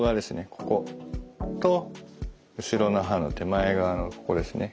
ここと後ろの歯の手前側のここですね。